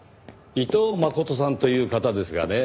伊藤真琴さんという方ですがね